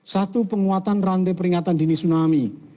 satu penguatan rantai peringatan dini tsunami